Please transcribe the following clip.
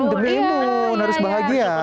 demi imun harus bahagia